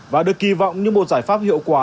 và được kỳ vọng như một giải pháp hiệu quả